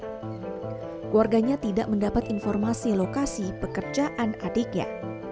keluarganya tidak mendapat informasi lokasi pekerjaan adiknya